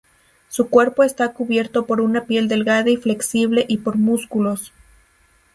Su cuerpo está cubierto por una piel delgada y flexible, y por músculos.